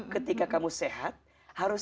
ketika kamu sehat harus